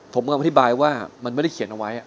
ผมก็อธิบายว่ามันไม่ได้เขียนเอาไว้